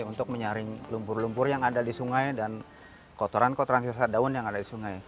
untuk menyaring lumpur lumpur yang ada di sungai dan kotoran kotoran sisa daun yang ada di sungai